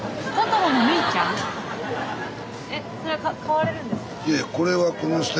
えそれは買われるんですか？